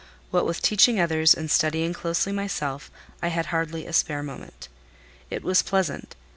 What with teaching others and studying closely myself, I had hardly a spare moment. It was pleasant.